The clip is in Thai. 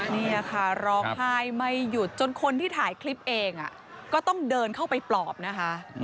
นี่ค่ะร้องไห้ไม่หยุดจนคนที่ถ่ายคลิปเองก็ต้องเดินเข้าไปปลอบนะคะ